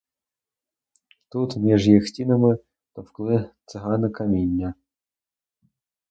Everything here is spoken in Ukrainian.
Тут між їх стінами товкли цигани каміння.